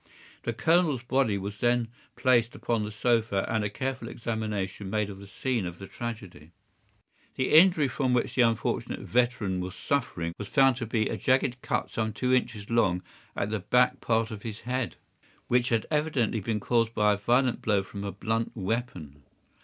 The Colonel's body was then placed upon the sofa, and a careful examination made of the scene of the tragedy. "The injury from which the unfortunate veteran was suffering was found to be a jagged cut some two inches long at the back part of his head, which had evidently been caused by a violent blow from a blunt weapon.